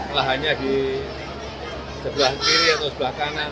lahannya di sebelah kiri atau sebelah kanan